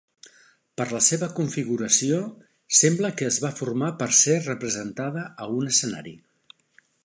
Per la seva configuració sembla que es va formar per ser representada a un escenari.